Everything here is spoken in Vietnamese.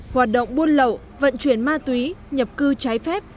hoạt động buôn lậu vận chuyển ma túy nhập cư trái phép